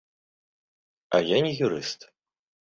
А я не юрыст.